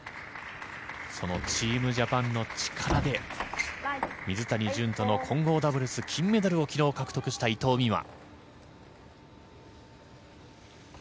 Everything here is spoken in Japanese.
そのチームジャパンの力で水谷隼との混合ダブルス金メダルを昨日、獲得した伊藤美誠。